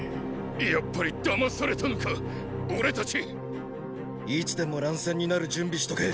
やっぱりだまされたのか俺たち⁉いつでも乱戦になる準備しとけ。